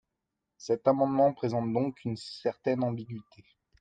Cet amendement présente donc une certaine ambiguïté.